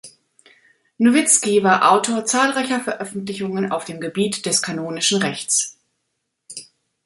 Nowicki war Autor zahlreicher Veröffentlichungen auf dem Gebiet des Kanonischen Rechts.